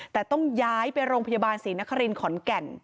แต่ต้องย้ายไปโรงพยาบาลศรีนครินขอนแก่น